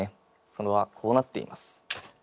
それはこうなっています。